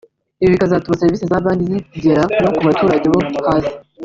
ibi bikazatuma serivise za Banki zigera no ku baturage bo hasi